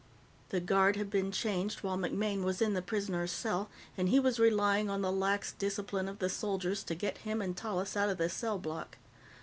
The guard had been changed while MacMaine was in the prisoner's cell, and he was relying on the lax discipline of the soldiers to get him and Tallis out of the cell block.